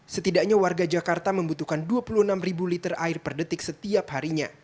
setidaknya warga jakarta membutuhkan dua puluh enam liter air per detik setiap harinya